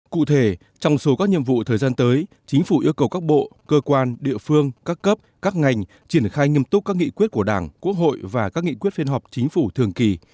cụ thể trong số các nhiệm vụ thời gian tới chính phủ yêu cầu các bộ cơ quan địa phương các cấp các ngành triển khai nghiêm túc các nghị quyết của đảng quốc hội và các nghị quyết phiên họp chính phủ thường kỳ